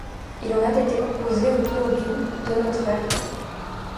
Il aurait été composé autour du de notre ère.